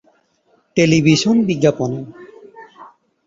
Television বিজ্ঞাপনে।